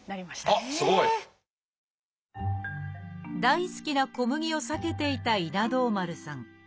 大好きな小麦を避けていた稲童丸さん。